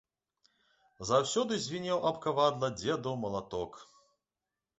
Заўсёды звінеў аб кавадла дзедаў малаток.